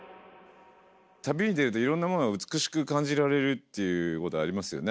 旅に出るといろんなものが美しく感じられるっていうことありますよね。